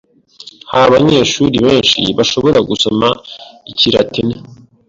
Nta banyeshuri benshi bashobora gusoma ikilatini.